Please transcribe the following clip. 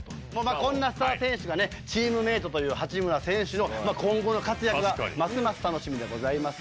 こんなスター選手がチームメートという八村選手の今後の活躍がますます楽しみでございます。